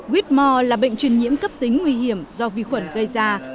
whmore là bệnh truyền nhiễm cấp tính nguy hiểm do vi khuẩn gây ra